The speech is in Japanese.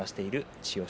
千代翔